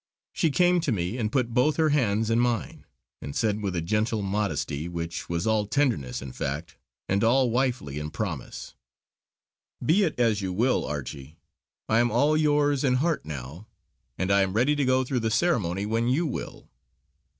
She came to me and put both her hands in mine and said with a gentle modesty, which was all tenderness in fact, and all wifely in promise: "Be it as you will, Archie! I am all yours in heart now; and I am ready to go through the ceremony when you will."